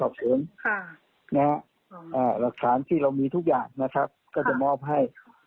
อ่าอ่ารับตาร์ที่เรามีทุกอย่างนะครับก็จะมอบให้